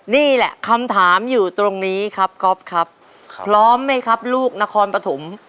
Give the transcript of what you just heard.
นี่แหละคำถามอยู่ตรงนี้ครับก๊อฟครับพร้อมไหมครับลูกนครปฐม